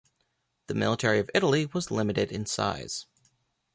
The military of Italy was limited in size.